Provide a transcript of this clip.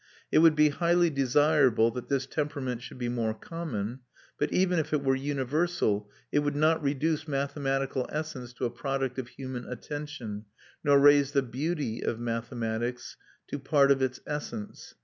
It would be highly desirable that this temperament should be more common; but even if it were universal it would not reduce mathematical essence to a product of human attention, nor raise the "beauty" of mathematics to part of its essence.